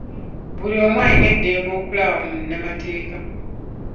Buli omu alina eddembe okulaba munnamateeka.